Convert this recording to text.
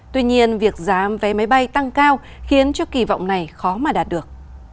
tuy nhiên việc giá vé máy bay tăng cao khiến cho kỳ vọng này khó mà đạt được